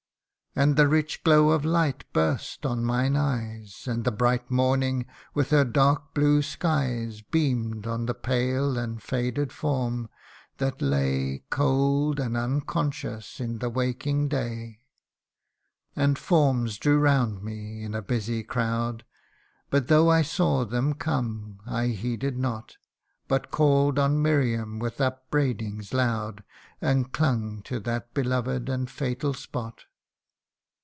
And the rich glow of light burst on mine eyes ; And the bright morning, with her dark blue skies, CANTO III. 125 Beam'd on the pale and faded form, that lay Cold and unconscious in the waking day. And forms drew round me, in a busy crowd : But though I saw them come, I heeded not, But call'd on Miriam with upbraidings loud, And clung to that beloved and fatal spot.